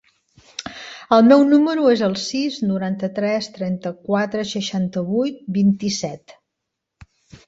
El meu número es el sis, noranta-tres, trenta-quatre, seixanta-vuit, vint-i-set.